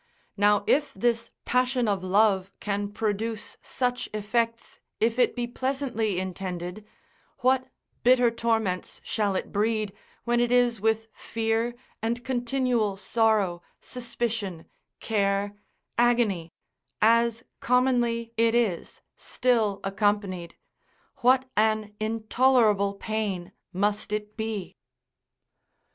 Now if this passion of love can produce such effects, if it be pleasantly intended, what bitter torments shall it breed, when it is with fear and continual sorrow, suspicion, care, agony, as commonly it is, still accompanied, what an intolerable pain must it be?